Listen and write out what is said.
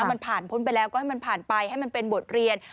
มันผ่านพ้นไปแล้วก็ให้มันผ่านไปให้มันเป็นบทเรียน